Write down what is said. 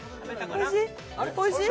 おいしい？